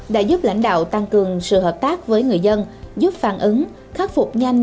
đã giúp lãnh đạo tăng cường sự hợp tác với người dân giúp phản ứng khắc phục nhanh